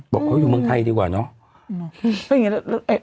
บอกเขาอยู่เมืองไทยดีกว่าเนอะ